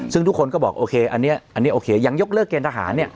ซึ่งทุกคนก็บอกโอเคอันนี้โอเคยังยกเลิกเกณฑหาร